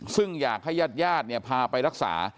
ซึ่งอยากให้ญาติพาไปรักษา